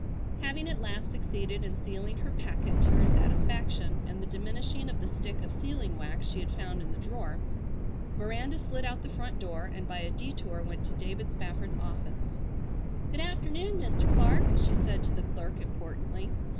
Having at last succeeded in sealing her packet to her satisfaction and the diminishing of the stick of sealing wax she had found in the drawer, Miranda slid out the front door, and by a detour went to David Spafford's office. "Good afternoon, Mr. Clark," she said to the clerk importantly.